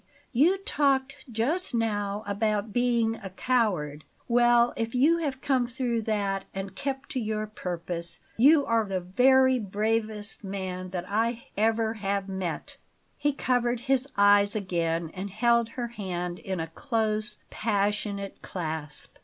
You talked just now about being a coward; well, if you have come through that and kept to your purpose, you are the very bravest man that I have ever met." He covered his eyes again, and held her hand in a close passionate clasp.